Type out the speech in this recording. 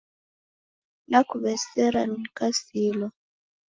Nakuw'esera nikasilwa.